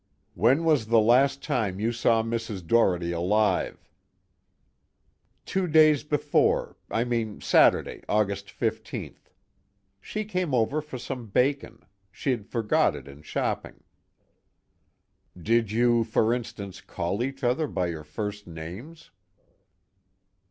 "When was the last time you saw Mrs. Doherty alive?" "Two days before I mean Saturday, August 15th. She came over for some bacon. She'd forgot it in shopping." "Did you, for instance, call each other by your first names?"